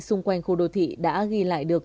xung quanh khu đô thị đã ghi lại được